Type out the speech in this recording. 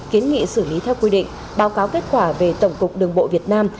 kiến nghị xử lý theo quy định báo cáo kết quả về tổng cục đường bộ việt nam